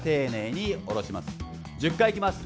１０回いきます